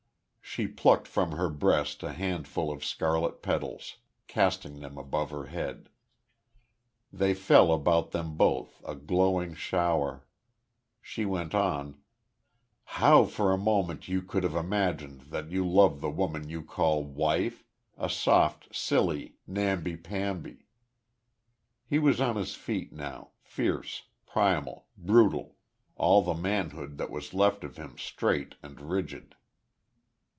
She plucked from her breast a handful of scarlet petals, casting them above her head. They fell about them both, a glowing shower. She went on: "How for a moment you could have imagined that you love the woman you call wife a soft, silly, namby pamby " He was on his feet now, fierce, primal, brutal all the manhood that was left of him straight and rigid.